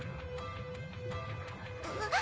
あっ。